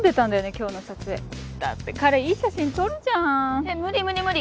今日の撮影だって彼いい写真撮るじゃんえっ無理無理無理